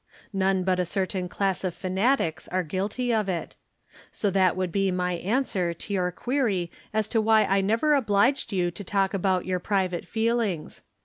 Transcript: None but a certain class of fanatics are guilty of it. So that would be my answer to your query as to why I never obliged you to talk about your private feelings.